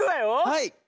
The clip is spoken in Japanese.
はい。